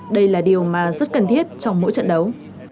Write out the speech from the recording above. đây là điều mà rất cần thiết trong mỗi trận đấu